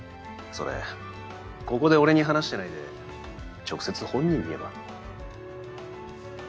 それここで俺に話してないで直接本人に言えば？